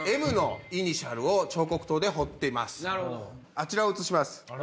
あちらを写します。